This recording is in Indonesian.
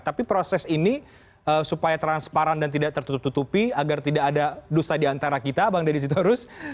tapi proses ini supaya transparan dan tidak tertutupi agar tidak ada dusta diantara kita bang deddy sitorus